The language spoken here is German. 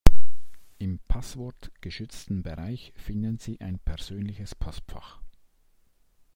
Im passwortgeschützten Bereich finden Sie ein persönliches Postfach.